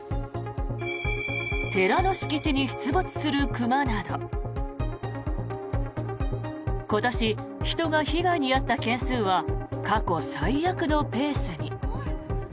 寺の敷地に出没する熊など今年、人が被害に遭った件数は過去最悪のペースに。